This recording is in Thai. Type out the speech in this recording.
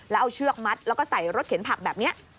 แล้วเอาเชือกมัดแล้วก็ใส่รถเข็นผักแบบนี้